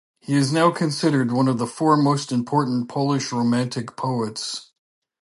He is now considered one of the four most important Polish Romantic poets.